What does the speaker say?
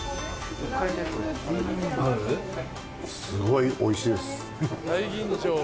すごいおいしいです。